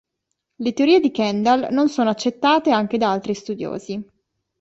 Le teorie di Kendall non sono accettate anche da altri studiosi.